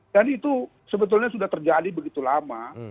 dan itu sebetulnya sudah terjadi begitu lama